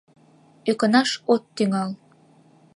Ӧкынаш от тӱҥал...